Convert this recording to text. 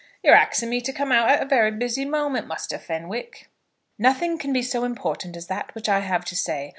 "You're axing me to come out at a very busy moment, Muster Fenwick." "Nothing can be so important as that which I have to say.